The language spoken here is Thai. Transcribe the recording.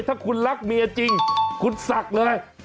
ถ้าคุณรักเมียจริงคุณศักดิ์เลย